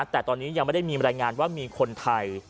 แต่ตอนนี้ยังไม่ได้มีบรรยายงานว่ามีคนไทย